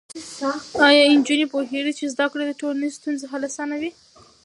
ایا نجونې پوهېږي چې زده کړه د ټولنیزو ستونزو حل اسانوي؟